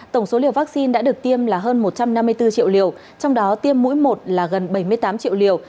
tổng số liều vaccine đã được tiêm là hơn một trăm năm mươi bốn triệu liều trong đó tiêm mũi một là gần bảy mươi tám triệu liều